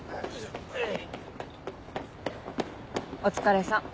お疲れさん